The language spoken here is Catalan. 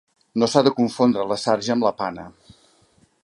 No s'ha de confondre la sarja amb la pana.